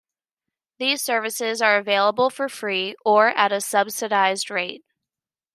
These services are available for free or at a subsidised rate.